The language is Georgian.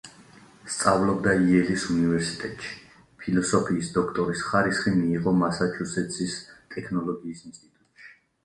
სწავლობდა იელის უნივერსიტეტში; ფილოსოფიის დოქტორის ხარისხი მიიღო მასაჩუსეტსის ტექნოლოგიის ინსტიტუტში.